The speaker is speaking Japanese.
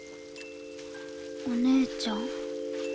お姉ちゃん。